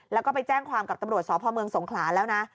แล้วก็ไปแจ้งความกับตำรวจสพเมืองสงขลาแล้วนะ